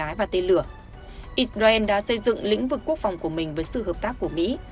israel đã xây dựng lĩnh vực quốc phòng của mình với sự hợp tác của mỹ